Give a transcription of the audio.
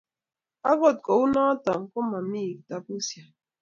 akot kou noo komami kitabusiek